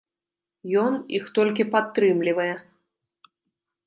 Ён іх толькі падтрымлівае.